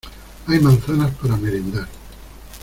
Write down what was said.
Hay manzanas para merendar.